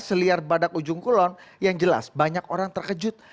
seliar badak ujung kulon yang jelas banyak orang terkejut